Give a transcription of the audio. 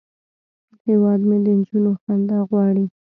هیواد مې د نجونو خندا غواړي